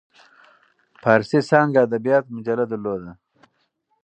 فارسي څانګه ادبیات مجله درلوده.